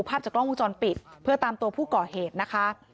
ภาพจากกล้องวงจรปิดเพื่อตามตัวผู้ก่อเหตุนะคะ